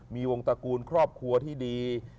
มีวงตระกูลครอบครัวที่ดี